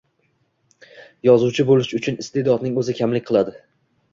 Yozuvchi bo’lish uchun iste’dodning o’zi kamlik qiladi.